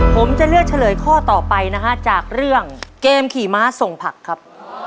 ผมจะเลือกเฉลยข้อต่อไปนะฮะจากเรื่องเกมขี่ม้าส่งผักครับ